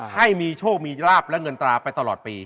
ให้มีโชคมีราบและเงินตราไปตลอดปี